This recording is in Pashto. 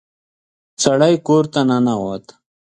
سړی کور ته ننوت.